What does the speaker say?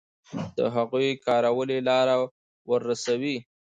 د هغوی کارولې لاره ورسوي.